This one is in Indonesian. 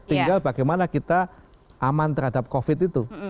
tinggal bagaimana kita aman terhadap covid itu